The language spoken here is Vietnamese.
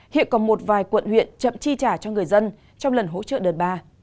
hiện còn một vài quận huyện chậm chi trả cho người dân trong lần hỗ trợ đợt ba